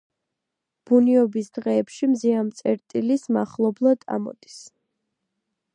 ბუნიობის დღეებში მზე ამ წერტილის მახლობლად ამოდის.